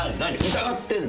疑ってるの？